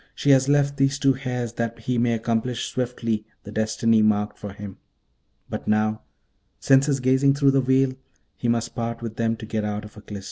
she has left these two hairs that he may accomplish swiftly the destiny marked for him! but now, since his gazing through that veil, he must part with them to get out of Aklis.'